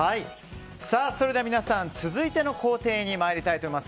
それでは皆さん、続いての工程に行きたいと思います。